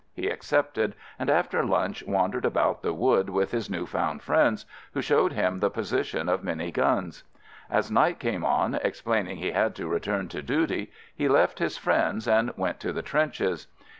He accepted, and after lunch wandered about the wood with his new found friends, who showed him the position of many guns. As night came on, explaining he had to return to duty, he left his friends and went to the trenches.